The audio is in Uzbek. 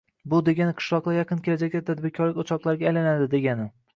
Bu degani qishloqlar yaqin kelajakda tadbirkorlik o‘choqlariga aylanadi, degani.